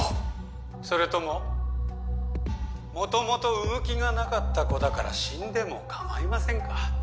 それとも元々生む気がなかった子だから死んでも構いませんか？